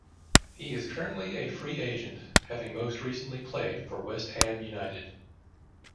He is currently a free agent, having most recently played for West Ham United.